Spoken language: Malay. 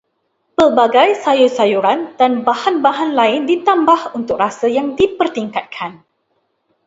Pelbagai sayur-sayuran dan bahan-bahan lain ditambah untuk rasa yang dipertingkatkan